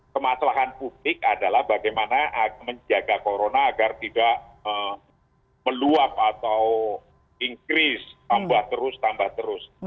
permasalahan publik adalah bagaimana menjaga corona agar tidak meluap atau inggris tambah terus tambah terus